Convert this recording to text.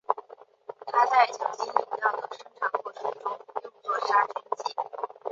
它在酒精饮料的生产过程中用作杀菌剂。